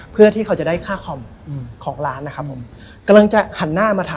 ผมต้องทำงานต่อ